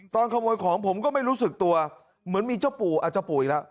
ตอนขโมยของผมก็ไม่รู้สึกตัวเหมือนมีเจ้าปู่เจ้าปู่อีกแล้ว